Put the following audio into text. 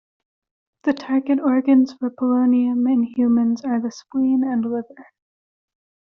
The target organs for polonium in humans are the spleen and liver.